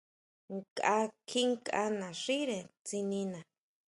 Nkʼa kjinkʼa naxínre tsinina.